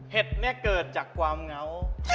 เห็ดเนี่ยเกิดจากความเหงา